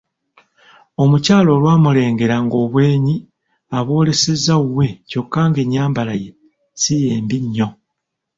Omukyala olwamulengera ng'obwenyi abwolesezza wuwe kyokka ng'ennyambala ye si ye mbi nnyo.